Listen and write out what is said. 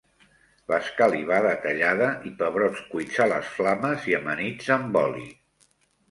L'escalivada tallada i pebrots cuits a les flames i amanits amb oli.